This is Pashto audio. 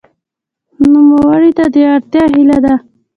نوموړي ته د روغتیا هیله کوم.